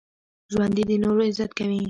ژوندي د نورو عزت کوي